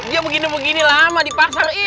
dia begini begini lama di pasar ini